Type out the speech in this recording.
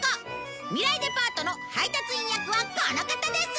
未来デパートの配達員役はこの方です！